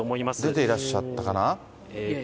出ていらっしゃったかな。